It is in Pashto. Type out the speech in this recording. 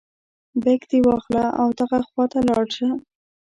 بیک دې واخله او دغه خواته لاړ شه.